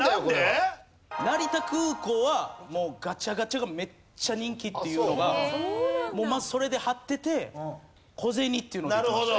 成田空港はガチャガチャがめっちゃ人気っていうのがまずそれで張ってて小銭っていうのでいきました。